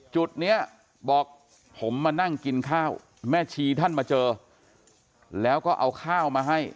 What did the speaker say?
จุดนี้บอกผมมานั่งกินข้าวแม่ชีท่านมาเจอแล้วก็เอาข้าวมาให้